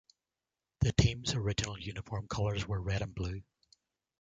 The team's original uniform colors were red and blue.